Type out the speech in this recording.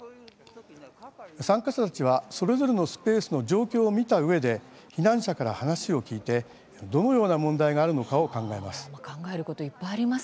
参加者たちはそれぞれのスペースの状況を見たうえで避難者から話を聞いてどのような問題があるのかを考えます。